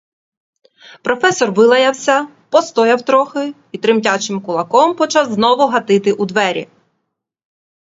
Професор вилаявся, постояв трохи й тремтячим кулаком почав знову гатити у двері.